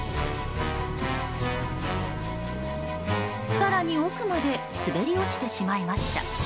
更に奥まで滑り落ちてしまいました。